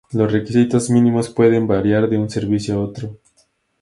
Los requisitos mínimos pueden variar de un servicio a otro.